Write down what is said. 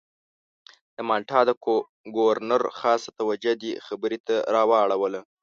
د مالټا د ګورنر خاصه توجه دې خبرې ته را اړوو.